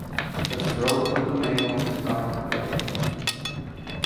The throat of the male is dark grey.